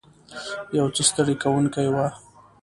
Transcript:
یو څه ستړې کوونکې وه.